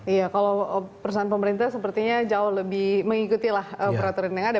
iya kalau perusahaan pemerintah sepertinya jauh lebih mengikutilah peraturan yang ada